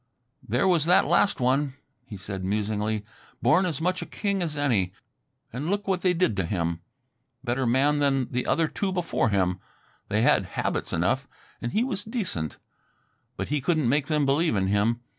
"There was that last one," he said musingly. "Born as much a king as any ... and look what they did to him. Better man than the other two before him ... they had 'habits' enough, and he was decent. But he couldn't make them believe in him.